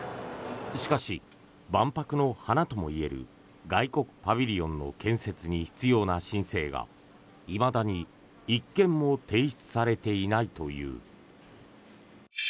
しかし、万博の華ともいえる外国パビリオンの建設に必要な申請がいまだに１件も提出されていないという。